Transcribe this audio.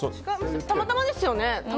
たまたまですよね。